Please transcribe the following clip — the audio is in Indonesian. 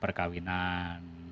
pertama adalah dalam perkawinan